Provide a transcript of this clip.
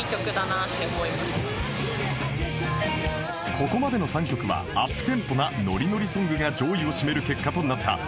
ここまでの３曲はアップテンポなノリノリソングが上位を占める結果となった